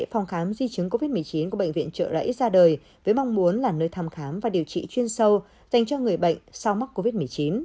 phòng khám di chứng covid một mươi chín của bệnh viện trợ rẫy ra đời với mong muốn là nơi thăm khám và điều trị chuyên sâu dành cho người bệnh sau mắc covid một mươi chín